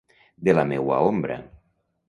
De la meua ombra.